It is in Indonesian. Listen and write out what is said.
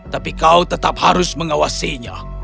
tapi kau tetap harus mengawasinya